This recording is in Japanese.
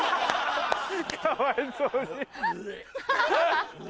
かわいそうに。